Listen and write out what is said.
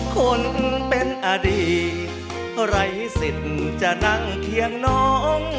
คนเป็นอดีตไร้สิทธิ์จะนั่งเคียงน้อง